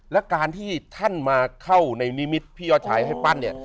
และการที่ท่านมาเข้าในนิมิตพี่ยอดชายให้ปั้นเนี่ย